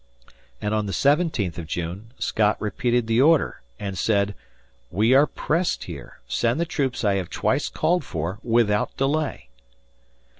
And on the 17th of June, Scott repeated the order and said: "We are pressed here. Send the troops I have twice called for without delay."